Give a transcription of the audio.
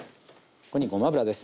ここにごま油です。